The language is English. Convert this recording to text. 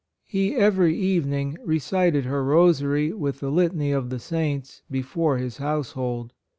He, every evening, recited her Rosary with the Litany of the Saints before his household.